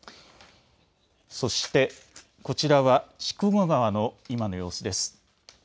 そしてこちらは筑後川の今の様子です。